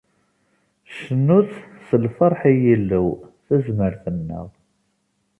Cnut s lferḥ i Yillu, tazmert-nneɣ.